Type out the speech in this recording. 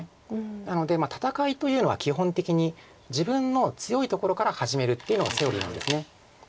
なので戦いというのは基本的に自分の強いところから始めるっていうのがセオリーなんです。